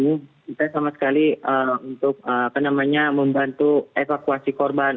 kita sama sekali untuk apa namanya membantu evakuasi korban